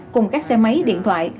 cùng các xe máy điện thoại